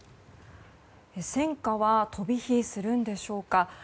戦火は飛び火するのでしょうか。